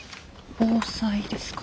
防災ですか。